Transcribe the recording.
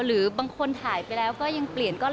หรือบางคนถ่ายไปแล้วก็ยังเปลี่ยน